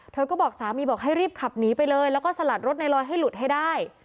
เธอก็บอกสามีบอกให้รีบขับหนีไปเลยแล้วก็สลัดรถในลอยให้หลุดให้ได้